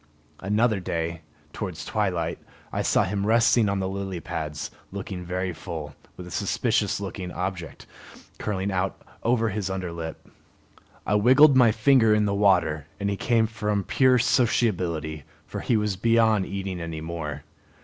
Another day, towards twilight, I saw him resting on the lily pads, looking very full, with a suspicious looking object curling out over his under lip. I wiggled my finger in the water, and he came from pure sociability, for he was beyond eating any more.